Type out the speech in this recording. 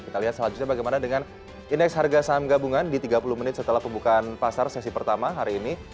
kita lihat selanjutnya bagaimana dengan indeks harga saham gabungan di tiga puluh menit setelah pembukaan pasar sesi pertama hari ini